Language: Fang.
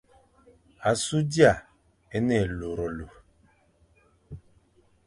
Asu d ia e ne élurélur.